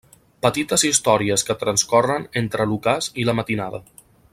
Petites històries que transcorren entre l'ocàs i la matinada.